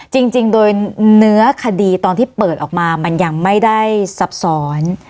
จริงโดยเนื้อคดีตอนที่เปิดออกมามันยังไม่ได้ซับซ้อน